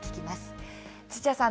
土屋さん